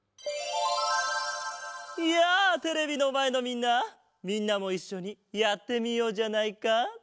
やあテレビのまえのみんなみんなもいっしょにやってみようじゃないか。